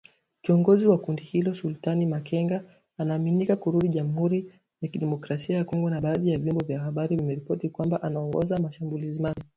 Kiongozi wa kundi hilo ,Sultani Makenga, anaaminika kurudi Jamhuri ya Kidemokrasia ya Kongo na badhi ya vyombo vya habari vimeripoti kwamba anaongoza mashambulizi mapya